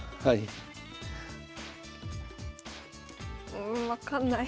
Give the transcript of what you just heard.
うん分かんない。